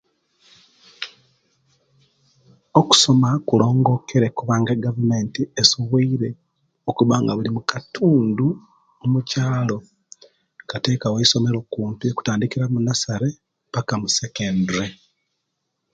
Okusoma kulongokere kubanga egavumenti esobwoire okuba nga buli katundu mukyalo katekawo eisomero kumpi okutandikira omunasare paka musekendure.